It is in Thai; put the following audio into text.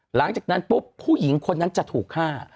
หลังจากนั้นปุ๊บผู้หญิงคนนั้นจะถูกฆ่า